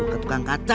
abah istirahat ya